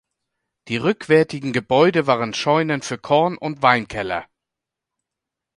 Die rückwärtigen Gebäude waren Scheunen für Korn und Weinkeller.